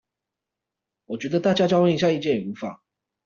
我覺得大家交換一下意見也無妨